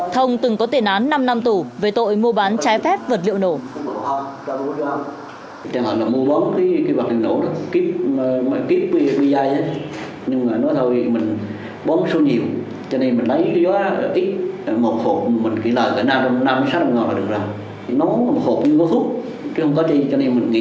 thông từng có tiền án năm năm tù về tội mua bán trái phép vật liệu nổ